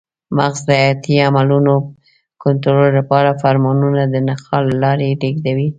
مغز د حیاتي عملونو کنټرول لپاره فرمانونه د نخاع له لارې لېږدوي.